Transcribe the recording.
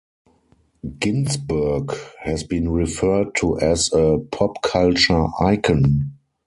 Ginsburg has been referred to as a "pop culture icon".